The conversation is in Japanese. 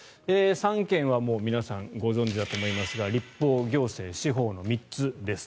三権は皆さんご存じだと思いますが立法、行政、司法の３つです。